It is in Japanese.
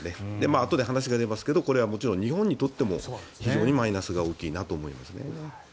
あとで話が出ますがこれはもちろん日本にとっても非常にマイナスが大きいなと思いますね。